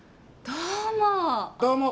どうも。